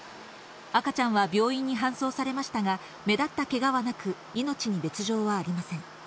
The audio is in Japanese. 赤ちゃんは病院に搬送されましたが、目立ったけがはなく、命に別状はありません。